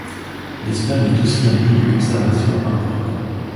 L'Espagne est aussi un lieu de conservation important.